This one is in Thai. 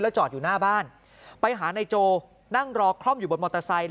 จอดอยู่หน้าบ้านไปหานายโจนั่งรอคล่อมอยู่บนมอเตอร์ไซค